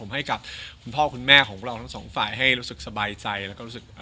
ให้กับคุณพ่อคุณแม่ของเราทั้งสองฝ่ายให้รู้สึกสบายใจแล้วก็รู้สึก